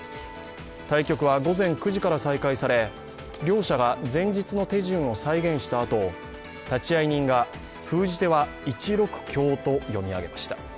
対局は午前９時から再開され両者が前日の手順を再現したあと立会人が封じでは１六香と読み上げまし。